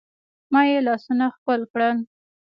ما يې لاسونه ښکل کړل.